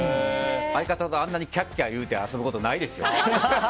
相方があんなにキャッキャッ言って遊ぶことないですよ。